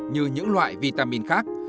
như những loại vitamin khác